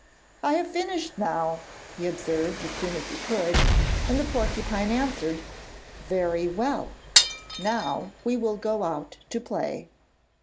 'I have finished now,' he observed as soon as he could, and the porcupine answered: 'Very well; now we will go out to play.'